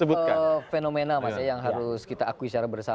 itu fenomena mas ya yang harus kita akui secara bersama